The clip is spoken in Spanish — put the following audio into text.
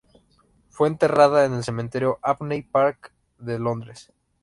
Fue enterrada en el Cementerio Abney Park de Londres.